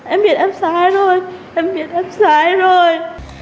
em biết em sai rồi em biết em sai rồi